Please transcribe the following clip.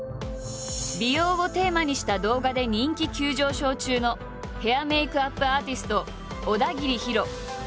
美容をテーマにした動画で人気急上昇中のヘア＆メイクアップアーティスト小田切ヒロ。